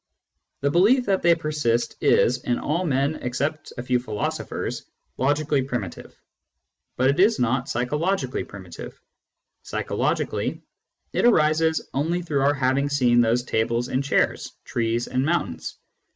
The belief that they persist is, in all men except a few philosophers, logically primitive, but it is not psychologically primitive ; psychologically, it arises only through our having seen those tables and chairs, trees and mountains.